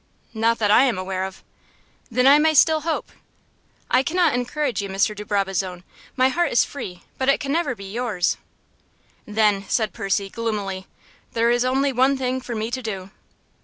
"Not that I am aware of." "Then I may still hope?" "I cannot encourage you, Mr. de Brabazon. My heart is free, but it can never be yours." "Then," said Percy, gloomily, "there is only one thing for me to do."